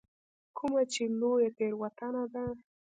کومه چې لویه تېروتنه ده.